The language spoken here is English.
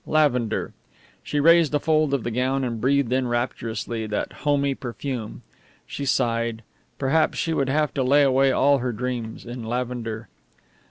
Lavender! She raised a fold of the gown and breathed in rapturously that homy perfume. She sighed. Perhaps she would have to lay away all her dreams in lavender.